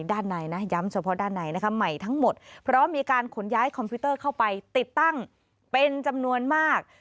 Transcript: ด้านในนะย้ำเฉพาะด้านในนะคะใหม่ทั้งหมดเพราะมีการขนย้ายคอมพิวเตอร์เข้าไปติดตั้งเป็นจำนวนมาก